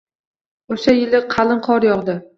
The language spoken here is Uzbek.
O`sha yili qalin qor yog`di